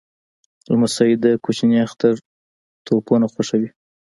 لمسی د کوچني اختر توپونه خوښوي.